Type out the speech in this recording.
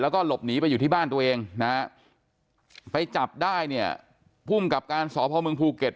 แล้วก็หลบหนีไปอยู่ที่บ้านตัวเองนะฮะไปจับได้เนี่ยภูมิกับการสพมภูเก็ต